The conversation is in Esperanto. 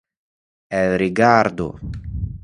Elrigardu!